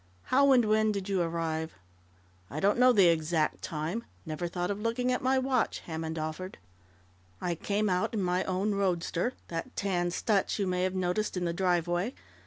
"How and when did you arrive?" "I don't know the exact time. Never thought of looking at my watch," Hammond offered. "I came out in my own roadster that tan Stutz you may have noticed in the driveway.